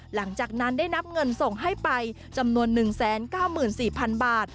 หลังจากนั้นได้นับเงินส่งให้ไปจำนวน๑๙๔๐๐๐บาท